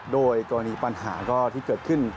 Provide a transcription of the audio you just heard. โดยกรณีปัญหาก็ที่เกิดขึ้น